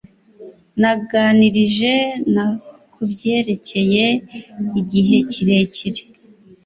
Naganiriye na kubyerekeye igihe kirekire.